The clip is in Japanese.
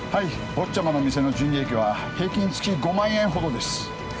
坊っちゃまの店の純利益は、平均月５万円ほどです。